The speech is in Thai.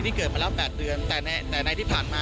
นี่เกิดมาแล้ว๘เดือนแต่ในที่ผ่านมา